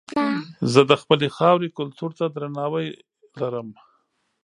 زه د خپلې خاورې کلتور ته درناوی لرم.